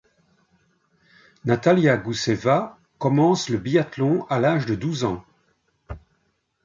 Natalia Gousseva commence le biathlon à l'âge de douze ans.